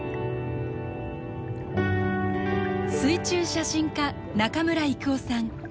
水中写真家中村征夫さん。